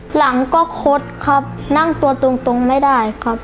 หลังก็คดครับนั่งตัวตรงไม่ได้ครับ